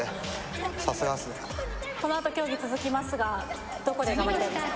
このあと競技続きますがどこで頑張りたいですか？